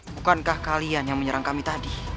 bukankah kalian yang menyerang kami tadi